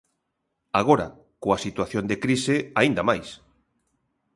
Agora, coa situación de crise, aínda mais.